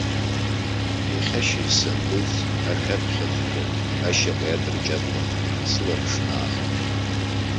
Иахьа ашьыжь санындәылҵ, ашә аԥхьаҵәҟьа ашьаҟа иадырҷаблан, сылаԥш наахеит.